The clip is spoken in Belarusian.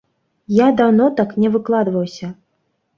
Я даўно так не выкладваўся.